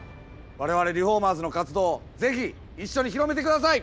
我々リフォーマーズの活動を是非一緒に広めてください！